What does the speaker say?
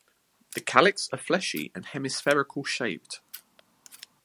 The calyx are fleshy and hemispherical shaped.